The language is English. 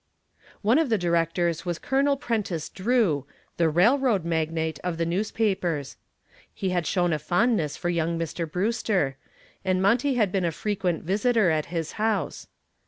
One of the directors was Col. Prentiss Drew, "the railroad magnate" of the newspapers. He had shown a fondness for young Mr. Brewster, and Monty had been a frequent visitor at his house.